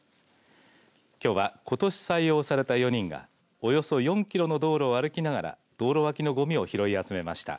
きょうはことし採用された４人がおよそ４キロの道路を歩きながら道路脇のごみを拾い集めました。